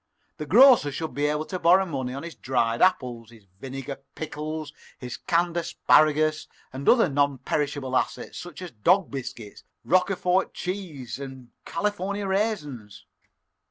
The grocer should be able to borrow money on his dried apples, his vinegar pickles, his canned asparagus, and other non perishable assets, such as dog biscuit, Roquefort cheese, and California raisins.